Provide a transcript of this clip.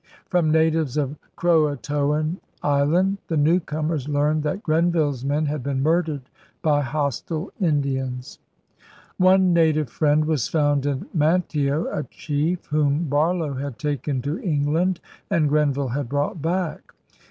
From natives of Croatoan Island the newcomers learned that Grenville's men had been murdered by hostile Indians. One native friend was found in Manteo, a chief whom Barlow had taken to England and Grenville had brought back.